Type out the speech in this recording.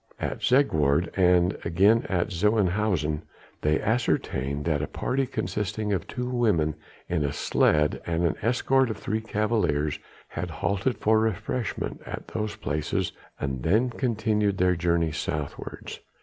At Zegwaard and again at Zevenhuizen they ascertained that a party consisting of two women in a sledge and an escort of three cavaliers had halted for refreshments at those places and then continued their journey southwards.